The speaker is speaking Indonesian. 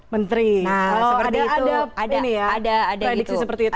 menteri nah seperti itu